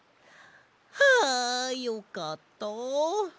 はあよかったあ。